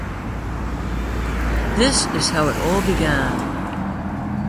This is how it all began.